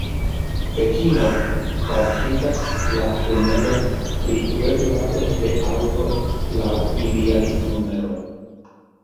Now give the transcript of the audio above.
Pekino praktikas la rimedon pri veturado de aŭtoj laŭ iliaj numeroj.